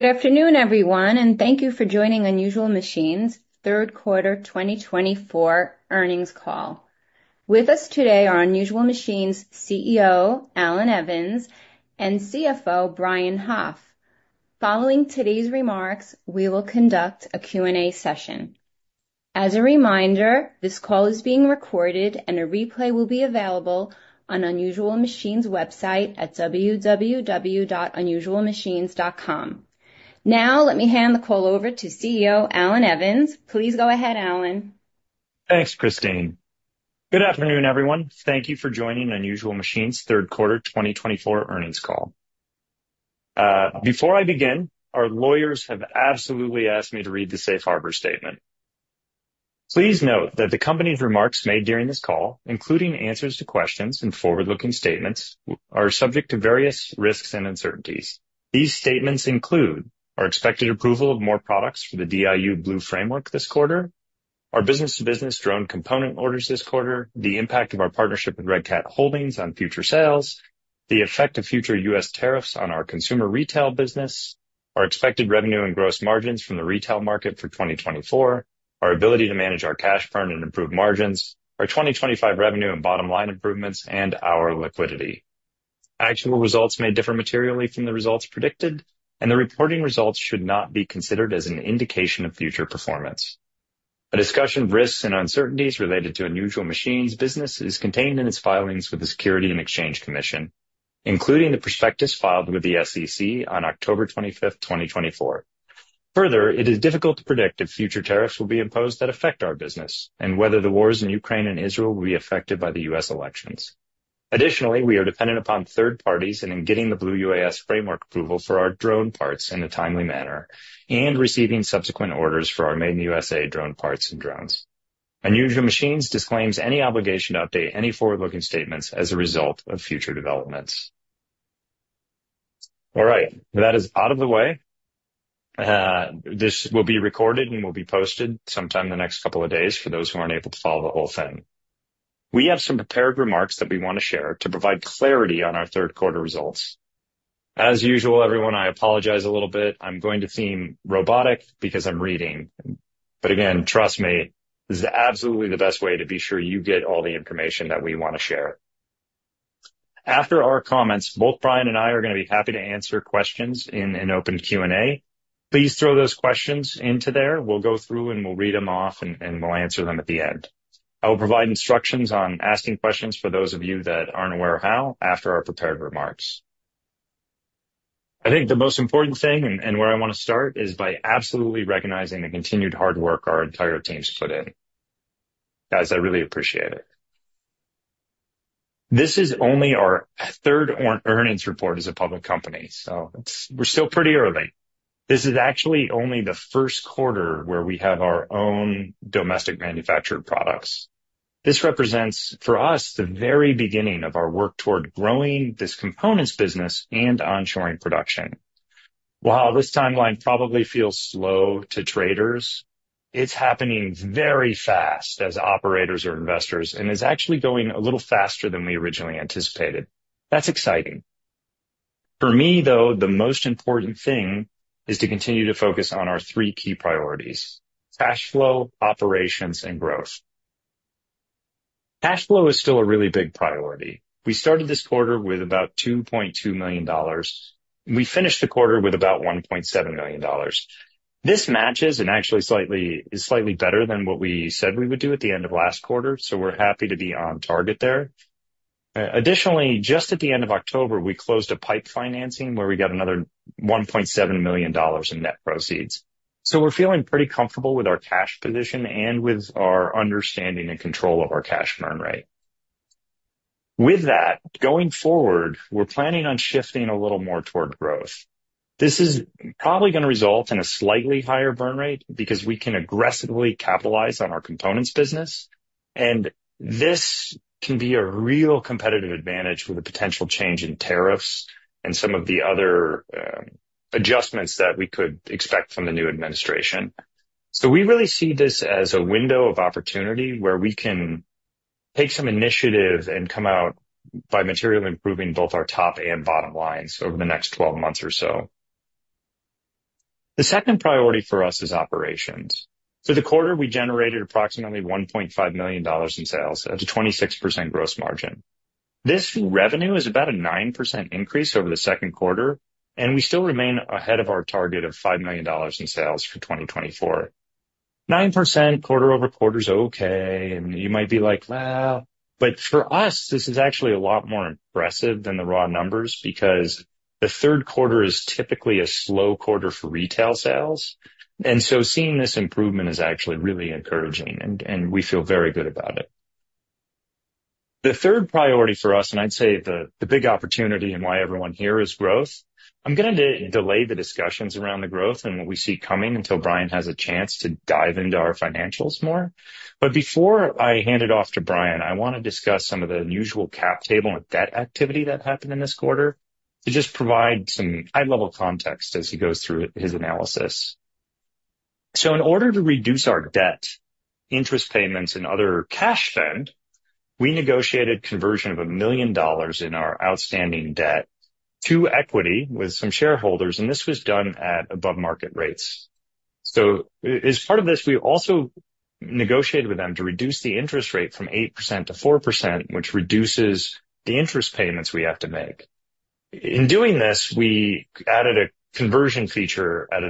Good afternoon, everyone, and thank you for joining Unusual Machines' Third Quarter 2024 Earnings Call. With us today are Unusual Machines CEO Allan Evans and CFO Brian Hoff. Following today's remarks, we will conduct a Q&A session. As a reminder, this call is being recorded, and a replay will be available on Unusual Machines' website at www.unusualmachines.com. Now, let me hand the call over to CEO Allan Evans. Please go ahead, Allan. Thanks, Christine. Good afternoon, everyone. Thank you for joining Unusual Machines' Third Quarter 2024 Earnings call. Before I begin, our lawyers have absolutely asked me to read the Safe Harbor Statement. Please note that the company's remarks made during this call, including answers to questions and forward-looking statements, are subject to various risks and uncertainties. These statements include our expected approval of more products for the DIU Blue Framework this quarter, our business-to-business drone component orders this quarter, the impact of our partnership with Red Cat Holdings on future sales, the effect of future U.S. tariffs on our consumer retail business, our expected revenue and gross margins from the retail market for 2024, our ability to manage our cash burn and improve margins, our 2025 revenue and bottom line improvements, and our liquidity. Actual results may differ materially from the results predicted, and the reporting results should not be considered as an indication of future performance. A discussion of risks and uncertainties related to Unusual Machines' business is contained in its filings with the Securities and Exchange Commission, including the prospectus filed with the SEC on October 25, 2024. Further, it is difficult to predict if future tariffs will be imposed that affect our business and whether the wars in Ukraine and Israel will be affected by the U.S. elections. Additionally, we are dependent upon third parties in getting the Blue UAS Framework approval for our drone parts in a timely manner and receiving subsequent orders for our Made in the USA drone parts and drones. Unusual Machines disclaims any obligation to update any forward-looking statements as a result of future developments. All right, that is out of the way. This will be recorded and will be posted sometime in the next couple of days for those who aren't able to follow the whole thing. We have some prepared remarks that we want to share to provide clarity on our third quarter results. As usual, everyone, I apologize a little bit. I'm going to sound robotic because I'm reading. But again, trust me, this is absolutely the best way to be sure you get all the information that we want to share. After our comments, both Brian and I are going to be happy to answer questions in an open Q&A. Please throw those questions into there. We'll go through and we'll read them off and we'll answer them at the end. I will provide instructions on asking questions for those of you that aren't aware of how after our prepared remarks. I think the most important thing and where I want to start is by absolutely recognizing the continued hard work our entire team's put in. Guys, I really appreciate it. This is only our third earnings report as a public company, so we're still pretty early. This is actually only the first quarter where we have our own domestic manufactured products. This represents, for us, the very beginning of our work toward growing this components business and onshoring production. While this timeline probably feels slow to traders, it's happening very fast as operators or investors and is actually going a little faster than we originally anticipated. That's exciting. For me, though, the most important thing is to continue to focus on our three key priorities: cash flow, operations, and growth. Cash flow is still a really big priority. We started this quarter with about $2.2 million. We finished the quarter with about $1.7 million. This matches and actually is slightly better than what we said we would do at the end of last quarter, so we're happy to be on target there. Additionally, just at the end of October, we closed a PIPE financing where we got another $1.7 million in net proceeds. So we're feeling pretty comfortable with our cash position and with our understanding and control of our cash burn rate. With that, going forward, we're planning on shifting a little more toward growth. This is probably going to result in a slightly higher burn rate because we can aggressively capitalize on our components business, and this can be a real competitive advantage with a potential change in tariffs and some of the other adjustments that we could expect from the new administration. So we really see this as a window of opportunity where we can take some initiative and come out by materially improving both our top and bottom lines over the next 12 months or so. The second priority for us is operations. For the quarter, we generated approximately $1.5 million in sales at a 26% gross margin. This revenue is about a 9% increase over the second quarter, and we still remain ahead of our target of $5 million in sales for 2024. 9% quarter over quarter is okay, and you might be like, "Well," but for us, this is actually a lot more impressive than the raw numbers because the third quarter is typically a slow quarter for retail sales. And so seeing this improvement is actually really encouraging, and we feel very good about it. The third priority for us, and I'd say the big opportunity and why everyone here is growth. I'm going to delay the discussions around the growth and what we see coming until Brian has a chance to dive into our financials more, but before I hand it off to Brian, I want to discuss some of the unusual cap table and debt activity that happened in this quarter to just provide some high-level context as he goes through his analysis. So in order to reduce our debt, interest payments, and other cash spend, we negotiated conversion of $1 million in our outstanding debt to equity with some shareholders, and this was done at above-market rates. So as part of this, we also negotiated with them to reduce the interest rate from 8%-4%, which reduces the interest payments we have to make. In doing this, we added a conversion feature at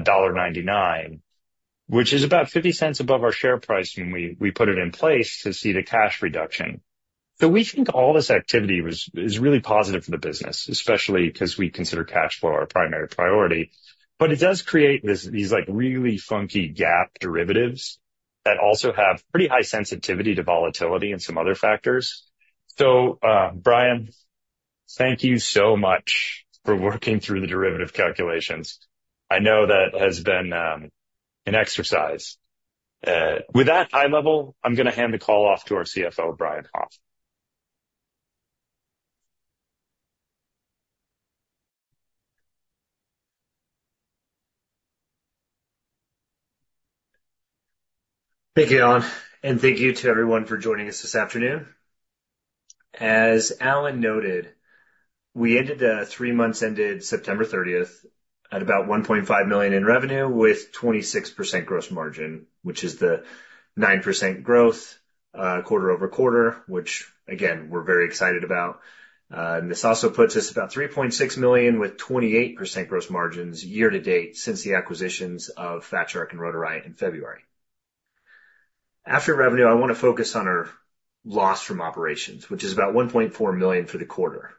$1.99, which is about $0.50 above our share price when we put it in place to see the cash reduction. So we think all this activity is really positive for the business, especially because we consider cash flow our primary priority. But it does create these really funky GAAP derivatives that also have pretty high sensitivity to volatility and some other factors. So Brian, thank you so much for working through the derivative calculations. I know that has been an exercise. With that high level, I'm going to hand the call off to our CFO, Brian Hoff. Thank you, Allan, and thank you to everyone for joining us this afternoon. As Allan noted, we ended three months ended September 30 at about $1.5 million in revenue with 26% gross margin, which is the 9% growth quarter over quarter, which, again, we're very excited about. This also puts us about $3.6 million with 28% gross margins year-to-date since the acquisitions of Fat Shark and Rotor Riot in February. After revenue, I want to focus on our loss from operations, which is about $1.4 million for the quarter.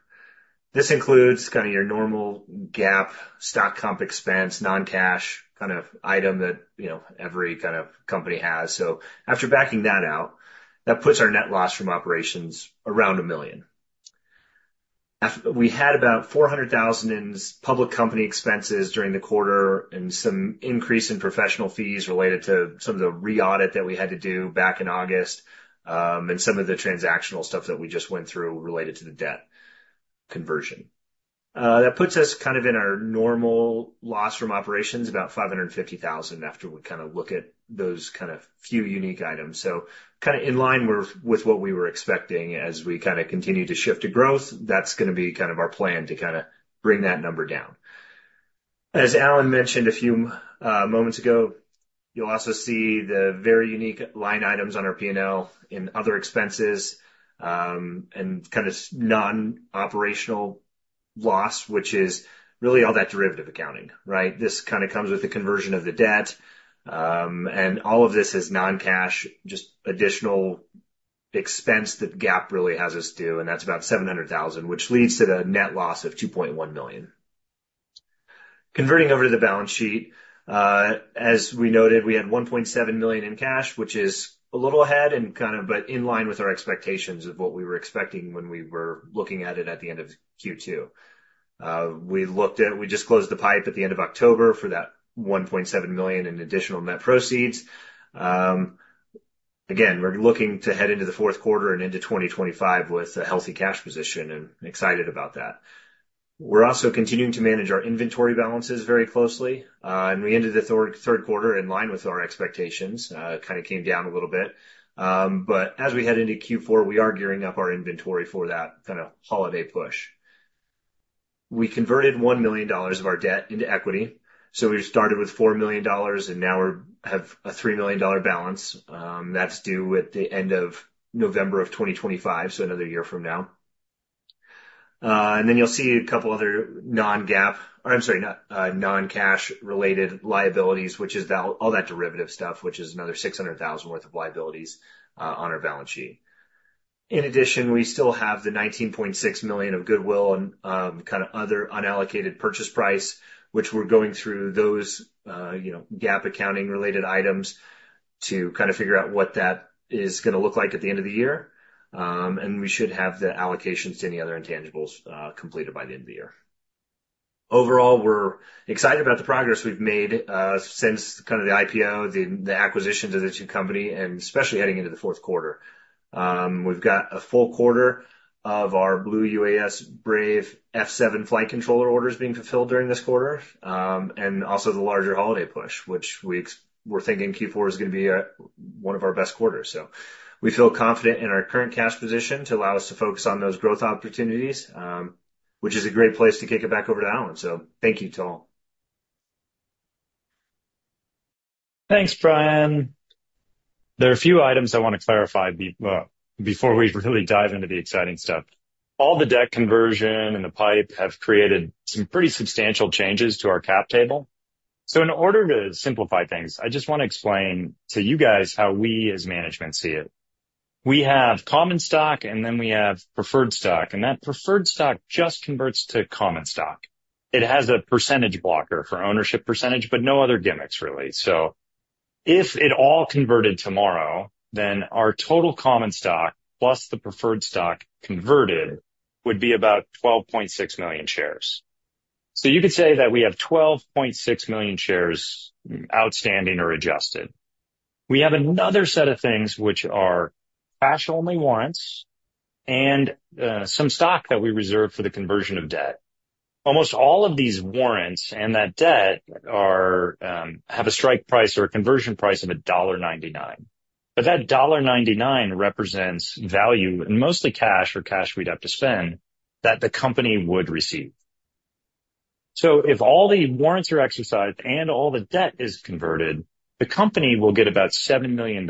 This includes kind of your normal GAAP, stock comp expense, non-cash kind of item that every kind of company has. After backing that out, that puts our net loss from operations around $1 million. We had about $400,000 in public company expenses during the quarter and some increase in professional fees related to some of the re-audit that we had to do back in August and some of the transactional stuff that we just went through related to the debt conversion. That puts us kind of in our normal loss from operations, about $550,000 after we kind of look at those kind of few unique items, so kind of in line with what we were expecting as we kind of continue to shift to growth, that's going to be kind of our plan to kind of bring that number down. As Allan mentioned a few moments ago, you'll also see the very unique line items on our P&L in other expenses and kind of non-operational loss, which is really all that derivative accounting, right? This kind of comes with the conversion of the debt. And all of this is non-cash, just additional expense that GAAP really has us do, and that's about $700,000, which leads to the net loss of $2.1 million. Converting over to the balance sheet, as we noted, we had $1.7 million in cash, which is a little ahead and kind of but in line with our expectations of what we were expecting when we were looking at it at the end of Q2. We just closed the PIPE at the end of October for that $1.7 million in additional net proceeds. Again, we're looking to head into the fourth quarter and into 2025 with a healthy cash position and excited about that. We're also continuing to manage our inventory balances very closely. We ended the third quarter in line with our expectations, kind of came down a little bit. But as we head into Q4, we are gearing up our inventory for that kind of holiday push. We converted $1 million of our debt into equity. So we started with $4 million, and now we have a $3 million balance that's due at the end of November of 2025, so another year from now. And then you'll see a couple other non-GAAP, or I'm sorry, non-cash-related liabilities, which is all that derivative stuff, which is another $600,000 worth of liabilities on our balance sheet. In addition, we still have the $19.6 million of goodwill and kind of other unallocated purchase price, which we're going through those GAAP accounting-related items to kind of figure out what that is going to look like at the end of the year. And we should have the allocations to any other intangibles completed by the end of the year. Overall, we're excited about the progress we've made since kind of the IPO, the acquisitions of the two companies, and especially heading into the fourth quarter. We've got a full quarter of our Blue UAS Brave F7 flight controller orders being fulfilled during this quarter and also the larger holiday push, which we're thinking Q4 is going to be one of our best quarters. So we feel confident in our current cash position to allow us to focus on those growth opportunities, which is a great place to kick it back over to Allan. So thank you to all. Thanks, Brian. There are a few items I want to clarify before we really dive into the exciting stuff. All the debt conversion and the PIPE have created some pretty substantial changes to our cap table. So in order to simplify things, I just want to explain to you guys how we as management see it. We have common stock, and then we have preferred stock. And that preferred stock just converts to common stock. It has a percentage blocker for ownership percentage, but no other gimmicks, really. So if it all converted tomorrow, then our total common stock plus the preferred stock converted would be about 12.6 million shares. So you could say that we have 12.6 million shares outstanding or adjusted. We have another set of things, which are cash-only warrants and some stock that we reserve for the conversion of debt. Almost all of these warrants and that debt have a strike price or a conversion price of $1.99. But that $1.99 represents value, and mostly cash or cash we'd have to spend, that the company would receive. So if all the warrants are exercised and all the debt is converted, the company will get about $7 million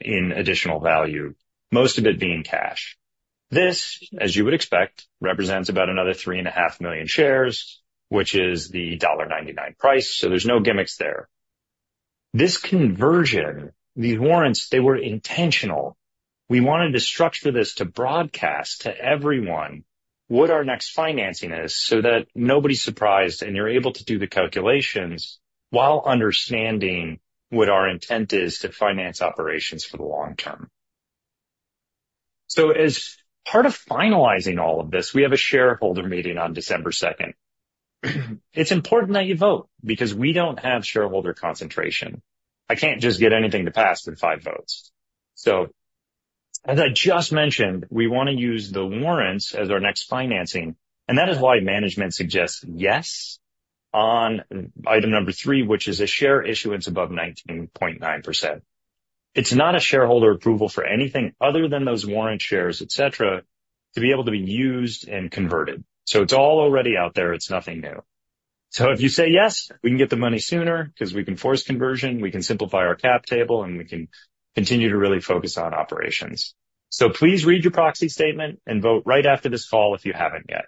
in additional value, most of it being cash. This, as you would expect, represents about another 3.5 million shares, which is the $1.99 price. So there's no gimmicks there. This conversion, these warrants, they were intentional. We wanted to structure this to broadcast to everyone what our next financing is so that nobody's surprised and you're able to do the calculations while understanding what our intent is to finance operations for the long term. So as part of finalizing all of this, we have a shareholder meeting on December 2nd. It's important that you vote because we don't have shareholder concentration. I can't just get anything to pass with five votes. So as I just mentioned, we want to use the warrants as our next financing, and that is why management suggests yes on item number three, which is a share issuance above 19.9%. It's not a shareholder approval for anything other than those warrant shares, etc., to be able to be used and converted. So it's all already out there. It's nothing new. So if you say yes, we can get the money sooner because we can force conversion, we can simplify our cap table, and we can continue to really focus on operations. So please read your proxy statement and vote right after this call if you haven't yet.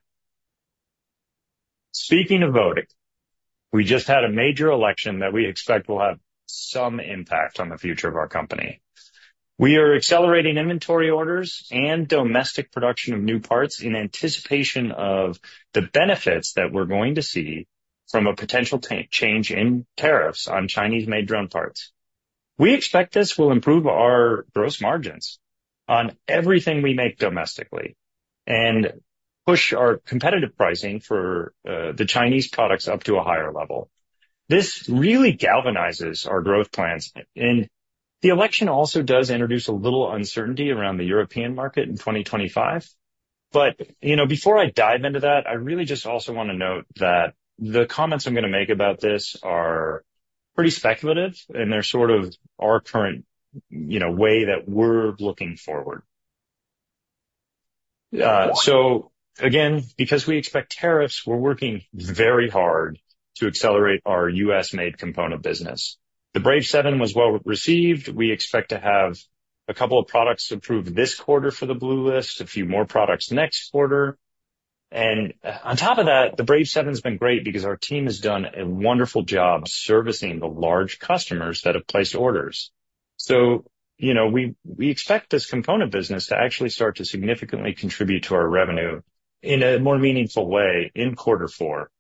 Speaking of voting, we just had a major election that we expect will have some impact on the future of our company. We are accelerating inventory orders and domestic production of new parts in anticipation of the benefits that we're going to see from a potential change in tariffs on Chinese-made drone parts. We expect this will improve our gross margins on everything we make domestically and push our competitive pricing for the Chinese products up to a higher level. This really galvanizes our growth plans. And the election also does introduce a little uncertainty around the European market in 2025. But before I dive into that, I really just also want to note that the comments I'm going to make about this are pretty speculative, and they're sort of our current way that we're looking forward. So again, because we expect tariffs, we're working very hard to accelerate our U.S.-made component business. The Brave F7 was well received. We expect to have a couple of products approved this quarter for the Blue List, a few more products next quarter. And on top of that, the Brave F7 has been great because our team has done a wonderful job servicing the large customers that have placed orders. So we expect this component business to actually start to significantly contribute to our revenue in a more meaningful way in quarter four.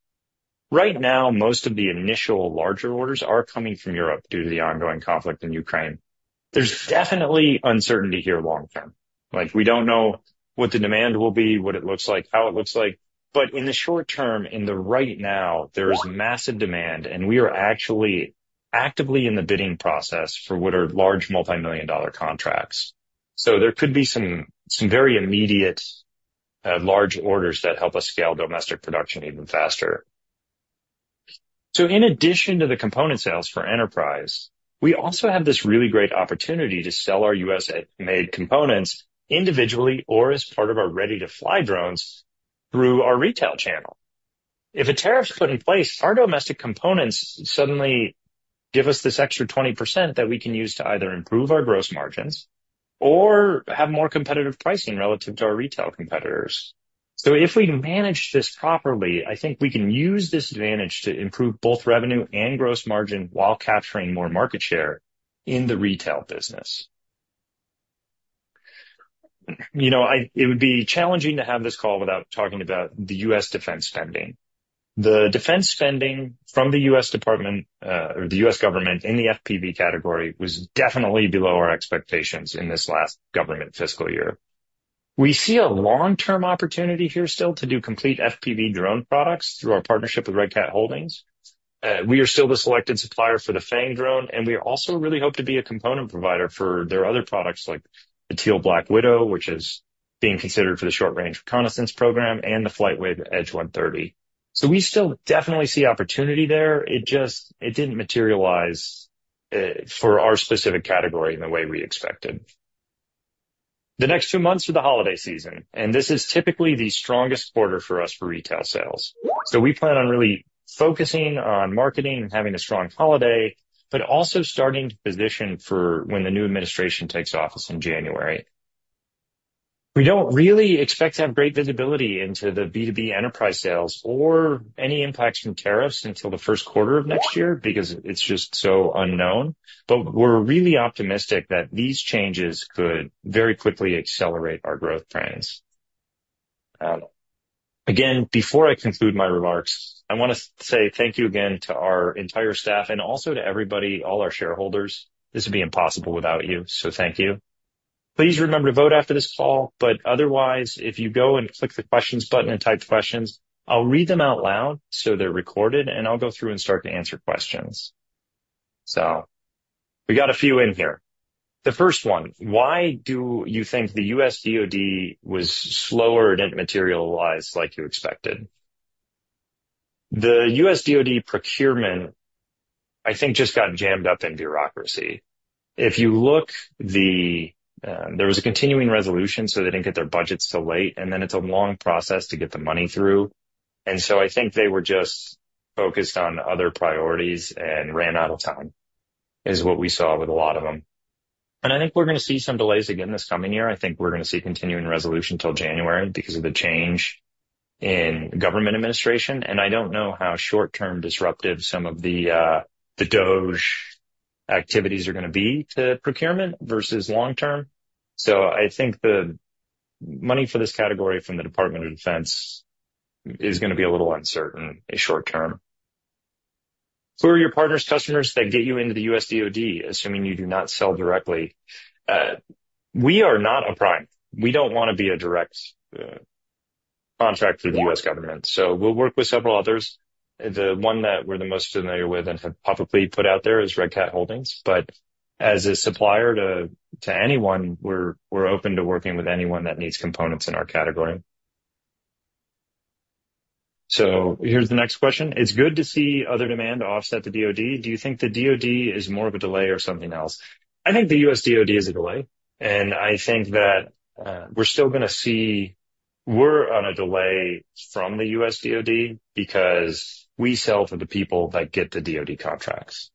Right now, most of the initial larger orders are coming from Europe due to the ongoing conflict in Ukraine. There's definitely uncertainty here long term. We don't know what the demand will be, what it looks like, how it looks like. But in the short term, in the right now, there is massive demand, and we are actually actively in the bidding process for what are large multi-million-dollar contracts. So there could be some very immediate large orders that help us scale domestic production even faster. So in addition to the component sales for enterprise, we also have this really great opportunity to sell our U.S.-made components individually or as part of our ready-to-fly drones through our retail channel. If a tariff's put in place, our domestic components suddenly give us this extra 20% that we can use to either improve our gross margins or have more competitive pricing relative to our retail competitors. So if we manage this properly, I think we can use this advantage to improve both revenue and gross margin while capturing more market share in the retail business. It would be challenging to have this call without talking about the U.S. defense spending. The defense spending from the U.S. Department of Defense or the U.S. government in the FPV category was definitely below our expectations in this last government fiscal year. We see a long-term opportunity here still to do complete FPV drone products through our partnership with Red Cat Holdings. We are still the selected supplier for the Fang drone, and we also really hope to be a component provider for their other products like the Teal Black Widow, which is being considered for the Short Range Reconnaissance program, and the FlightWave Edge 130. So we still definitely see opportunity there. It didn't materialize for our specific category in the way we expected. The next two months are the holiday season, and this is typically the strongest quarter for us for retail sales. So we plan on really focusing on marketing and having a strong holiday, but also starting to position for when the new administration takes office in January. We don't really expect to have great visibility into the B2B enterprise sales or any impacts from tariffs until the first quarter of next year because it's just so unknown. But we're really optimistic that these changes could very quickly accelerate our growth trends. Again, before I conclude my remarks, I want to say thank you again to our entire staff and also to everybody, all our shareholders. This would be impossible without you, so thank you. Please remember to vote after this call, but otherwise, if you go and click the questions button and type questions, I'll read them out loud so they're recorded, and I'll go through and start to answer questions. So we got a few in here. The first one, why do you think the U.S. DOD was slower and didn't materialize like you expected? The U.S. DOD procurement, I think, just got jammed up in bureaucracy. If you look, there was a continuing resolution so they didn't get their budgets too late, and then it's a long process to get the money through. And so I think they were just focused on other priorities and ran out of time, is what we saw with a lot of them. And I think we're going to see some delays again this coming year. I think we're going to see continuing resolution until January because of the change in government administration. And I don't know how short-term disruptive some of the DOGE activities are going to be to procurement versus long-term. So I think the money for this category from the Department of Defense is going to be a little uncertain short-term. Who are your partners, customers that get you into the U.S. DOD, assuming you do not sell directly? We are not a prime. We don't want to be a direct contract with the U.S. government. So we'll work with several others. The one that we're the most familiar with and have publicly put out there is Red Cat Holdings. But as a supplier to anyone, we're open to working with anyone that needs components in our category. So here's the next question. It's good to see other demand offset the DOD. Do you think the DOD is more of a delay or something else? I think the U.S. DOD is a delay. And I think that we're still going to see we're on a delay from the U.S. DOD because we sell to the people that get the DOD contracts.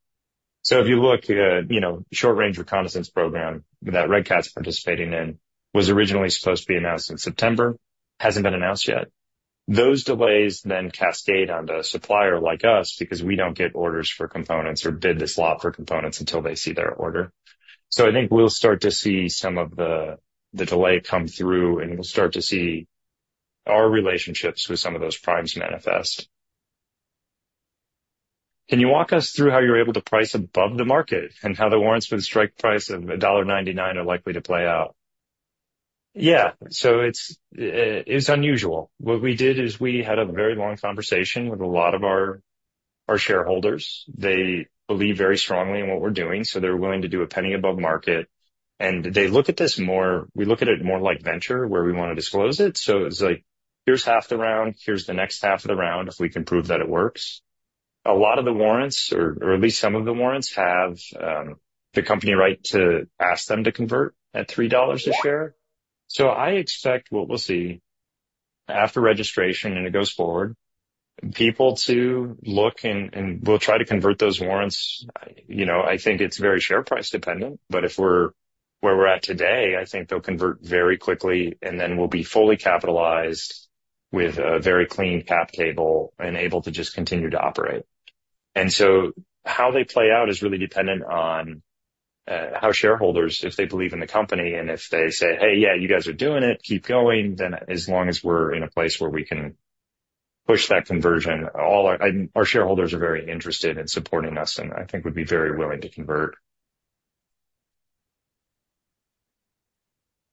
So if you look at the short-range reconnaissance program that Red Cat's participating in, it was originally supposed to be announced in September, hasn't been announced yet. Those delays then cascade on the supplier like us because we don't get orders for components or bid the slot for components until they see their order. So I think we'll start to see some of the delay come through, and we'll start to see our relationships with some of those primes manifest. Can you walk us through how you're able to price above the market and how the warrants with a strike price of $1.99 are likely to play out? Yeah. So it's unusual. What we did is we had a very long conversation with a lot of our shareholders. They believe very strongly in what we're doing, so they're willing to do a penny above market. And they look at this more. We look at it more like venture where we want to disclose it. So it's like, here's half the round, here's the next half of the round if we can prove that it works. A lot of the warrants, or at least some of the warrants, have the company the right to ask them to convert at $3 a share. So I expect what we'll see after registration and it goes forward, people to look and we'll try to convert those warrants. I think it's very share price dependent, but if we're where we're at today, I think they'll convert very quickly, and then we'll be fully capitalized with a very clean cap table and able to just continue to operate. And so how they play out is really dependent on how shareholders, if they believe in the company and if they say, "Hey, yeah, you guys are doing it, keep going," then as long as we're in a place where we can push that conversion, all our shareholders are very interested in supporting us and I think would be very willing to convert.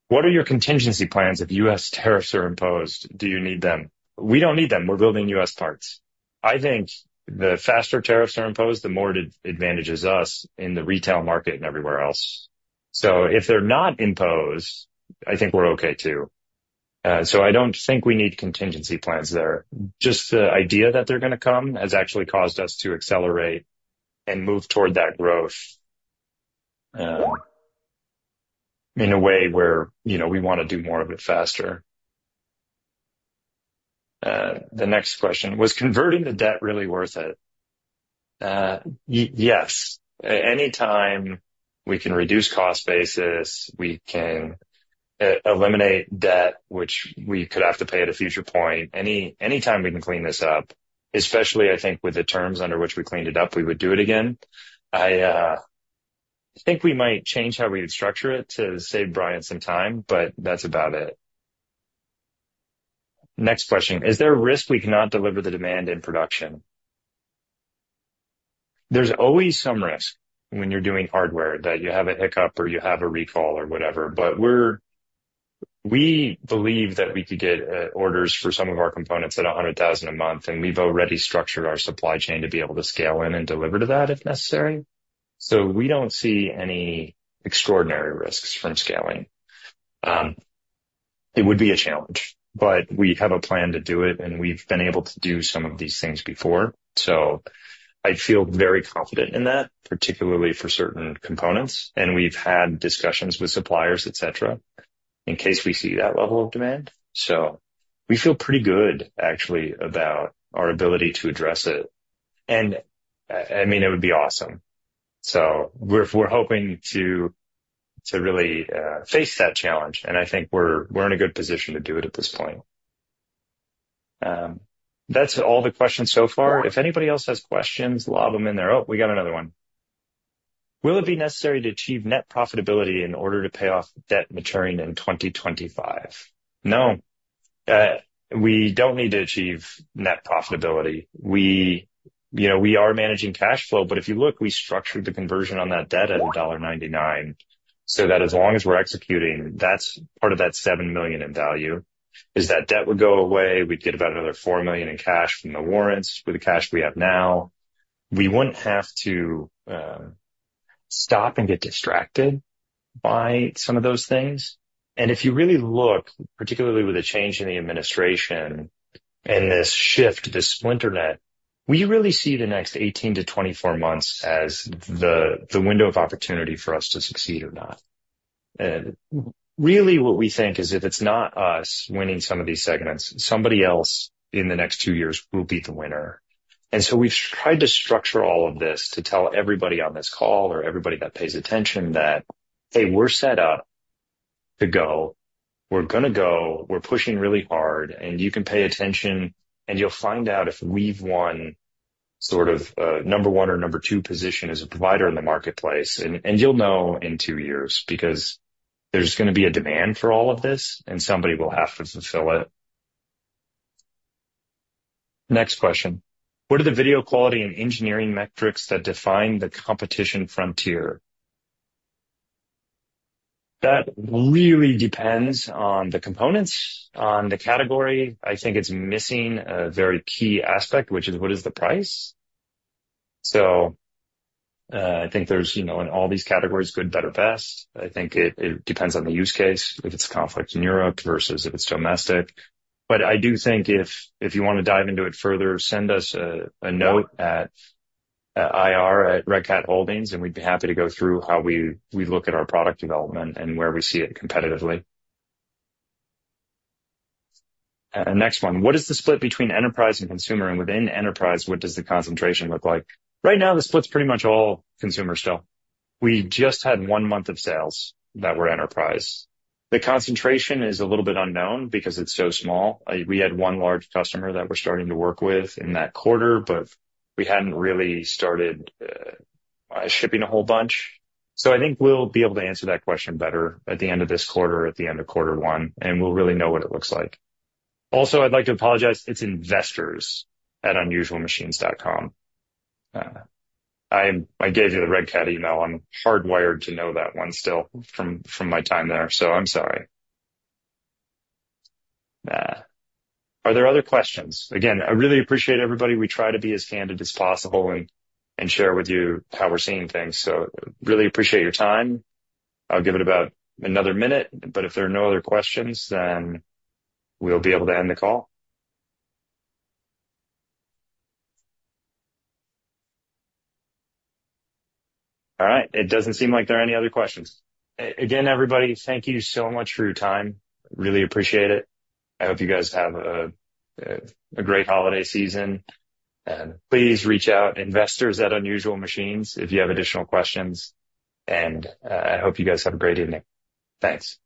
What are your contingency plans if U.S. tariffs are imposed? Do you need them? We don't need them. We're building U.S. parts. I think the faster tariffs are imposed, the more it advantages us in the retail market and everywhere else. So if they're not imposed, I think we're okay too. So I don't think we need contingency plans there. Just the idea that they're going to come has actually caused us to accelerate and move toward that growth in a way where we want to do more of it faster. The next question was, converting the debt really worth it? Yes. Anytime we can reduce cost basis, we can eliminate debt, which we could have to pay at a future point. Anytime we can clean this up, especially I think with the terms under which we cleaned it up, we would do it again. I think we might change how we would structure it to save Brian some time, but that's about it. Next question. Is there a risk we cannot deliver the demand in production? There's always some risk when you're doing hardware that you have a hiccup or you have a recall or whatever. But we believe that we could get orders for some of our components at 100,000 a month, and we've already structured our supply chain to be able to scale in and deliver to that if necessary. So we don't see any extraordinary risks from scaling. It would be a challenge, but we have a plan to do it, and we've been able to do some of these things before. So I feel very confident in that, particularly for certain components. And we've had discussions with suppliers, etc., in case we see that level of demand. So we feel pretty good, actually, about our ability to address it. And I mean, it would be awesome. So we're hoping to really face that challenge, and I think we're in a good position to do it at this point. That's all the questions so far. If anybody else has questions, lob them in there. Oh, we got another one. Will it be necessary to achieve net profitability in order to pay off debt maturing in 2025? No. We don't need to achieve net profitability. We are managing cash flow, but if you look, we structured the conversion on that debt at $1.99 so that as long as we're executing, that's part of that $7 million in value, is that debt would go away. We'd get about another $4 million in cash from the warrants with the cash we have now. We wouldn't have to stop and get distracted by some of those things. And if you really look, particularly with the change in the administration and this shift to the Splinternet, we really see the next 18 to 24 months as the window of opportunity for us to succeed or not. Really, what we think is if it's not us winning some of these segments, somebody else in the next two years will be the winner. And so we've tried to structure all of this to tell everybody on this call or everybody that pays attention that, hey, we're set up to go. We're going to go. We're pushing really hard. And you can pay attention, and you'll find out if we've won sort of number one or number two position as a provider in the marketplace. And you'll know in two years because there's going to be a demand for all of this, and somebody will have to fulfill it. Next question. What are the video quality and engineering metrics that define the competition frontier? That really depends on the components, on the category. I think it's missing a very key aspect, which is what is the price. So, I think there's, in all these categories, good, better, best. I think it depends on the use case, if it's a conflict in Europe versus if it's domestic. But I do think if you want to dive into it further, send us a note at IR at Red Cat Holdings, and we'd be happy to go through how we look at our product development and where we see it competitively. Next one. What is the split between enterprise and consumer? And within enterprise, what does the concentration look like? Right now, the split's pretty much all consumer still. We just had one month of sales that were enterprise. The concentration is a little bit unknown because it's so small. We had one large customer that we're starting to work with in that quarter, but we hadn't really started shipping a whole bunch. So I think we'll be able to answer that question better at the end of this quarter, at the end of quarter one, and we'll really know what it looks like. Also, I'd like to apologize. It's investors@unusualmachines.com. I gave you the Red Cat email. I'm hardwired to know that one still from my time there, so I'm sorry. Are there other questions? Again, I really appreciate everybody. We try to be as candid as possible and share with you how we're seeing things. So really appreciate your time. I'll give it about another minute, but if there are no other questions, then we'll be able to end the call. All right. It doesn't seem like there are any other questions. Again, everybody, thank you so much for your time. Really appreciate it. I hope you guys have a great holiday season. And please reach out, investors@unusualmachines.com, if you have additional questions. And I hope you guys have a great evening. Thanks. Bye.